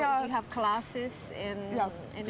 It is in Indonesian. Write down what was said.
kamu memiliki kelas di inggris